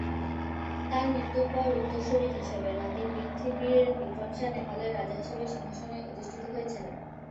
তার মৃত্যুর পর উত্তরসূরী হিসেবে নাতি পৃথ্বী বীর বিক্রম শাহ নেপালের রাজা হিসাবে সিংহাসনে অধিষ্ঠিত হয়েছিলেন।